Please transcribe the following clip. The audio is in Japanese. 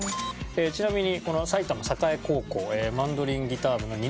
ちなみに。